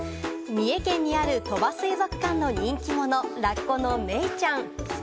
三重県にある鳥羽水族館の人気者・ラッコのメイちゃん。